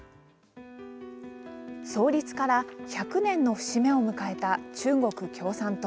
創立から１００年の節目を迎えた中国共産党。